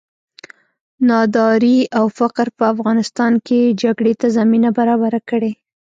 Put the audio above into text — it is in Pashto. ناداري او فقر په افغانستان کې جګړې ته زمینه برابره کړې.